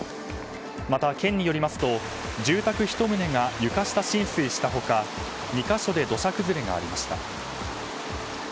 また県によりますと住宅１棟が床下浸水した他２か所で土砂崩れがありました。